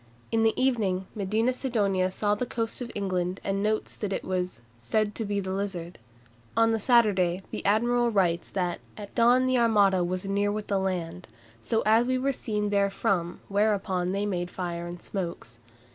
In the evening Medina Sidonia saw the coast of England, and notes that it was "said to be the Lizard." On the Saturday the admiral writes that "at dawn the Armada was near with the land, so as we were seen therefrom, whereupon they made fire and smokes."